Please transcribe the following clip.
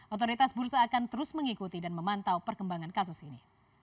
otoritas bursa akan terus mengikuti dan memantau perkembangan kasus ini